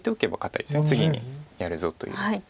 次にやるぞという。